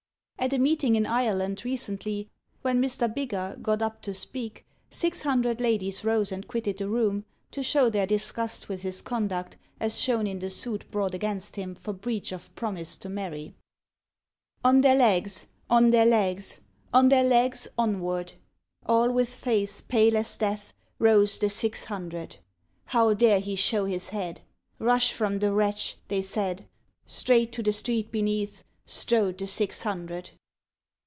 [At a meeting in Ireland recently, when Mr. Biggar got up to speak, six hundred ladies rose and quitted the room, to show their disgust with his conduct as shown in the suit brought against him for breach of promise to marry.] On their legs, on their legs. On their legs onward. All with face pale as death Rose the Six Hundred, How dare he show his head ? "Rush from the wretch !'' they said. Straight to the street beneath Strode the Six Hundred.